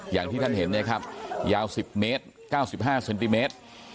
อย่างที่ท่านเห็นนะฮะยาวสิบเมตรเก้าสิบห้าเซนติเมตร